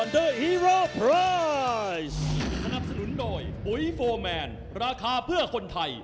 เสียหลักล้มลงไปให้กรรมการนับเลยครับ